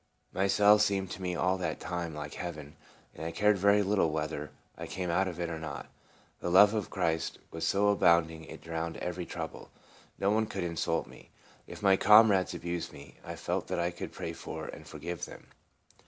My cell seemed to me all that time like heaven, and I cared very little wheth er I ever came out of it or not. The love of Christ was so abounding it drowned every trouble. No one could insult me. If my comrades abused me, I felt that I could pray for and forgive them.